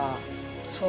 ◆そう。